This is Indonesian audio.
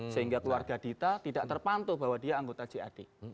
sehingga keluarga dita tidak terpantau bahwa dia anggota jad